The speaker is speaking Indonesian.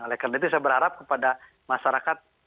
oleh karena itu saya berharap kepada masyarakat